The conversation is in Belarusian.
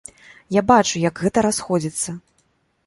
Я бачу, як гэта расходзіцца.